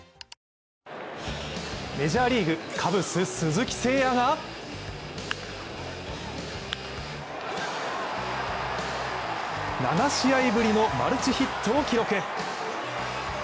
メジャーリーグ、カブス・鈴木誠也が７試合ぶりのマルチヒットを記録。